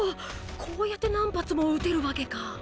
こうやって何発も撃てるわけか。